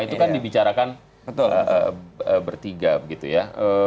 itu kan dibicarakan bertiga